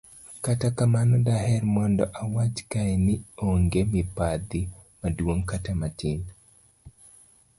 kata kamano, daher mondo awach kae ni onge mibadhi maduong' kata matin